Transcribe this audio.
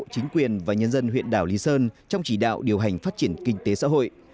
chính quyền và nhân dân huyện đảo lý sơn trong chỉ đạo điều hành phát triển kinh tế xã hội